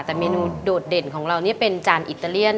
แต่เมนูโดดเด่นของเรานี่เป็นจานอิตาเลียน